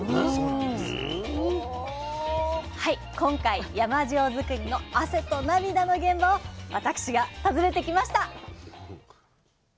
今回山塩づくりの「汗と涙の現場」を私が訪ねてきました！